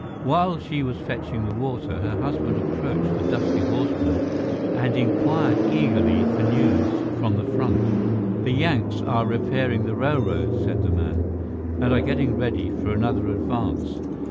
While she was fetching the water her husband approached the dusty horseman and inquired eagerly for news from the front. "The Yanks are repairing the railroads," said the man, "and are getting ready for another advance.